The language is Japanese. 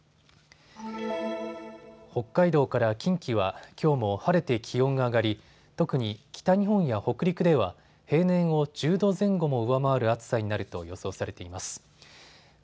北海道から近畿はきょうも晴れて気温が上がり特に北日本や北陸では平年を１０度前後も上回る暑さになると予想されています。